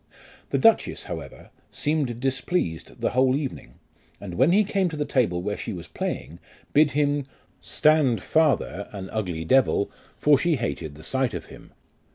The duchess, however, seemed displeased the whole evening, and when he came to the table where she was playing, bid him, " Stand farther, an ugly devil, for she hated the sight of him."